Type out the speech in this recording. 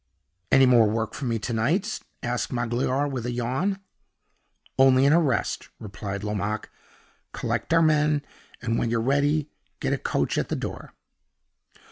"Any more work for me to night?" asked Magloire, with a yawn. "Only an arrest," replied Lomaque. "Collect our men; and when you're ready get a coach at the door."